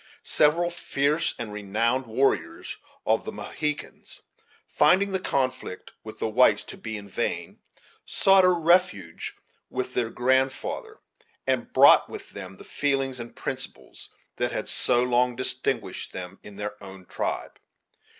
Several fierce and renowned warriors of the Mohegans, finding the conflict with the whites to be in vain, sought a refuge with their grandfather, and brought with them the feelings and principles that had so long distinguished them in their own tribe.